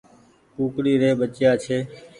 ڪوڪڙي ري ٻچيآ ڇي۔